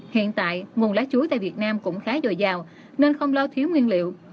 hiện tại nguồn lá chuối tại việt nam cũng khá dồi dào nên không lo thiếu nguyên liệu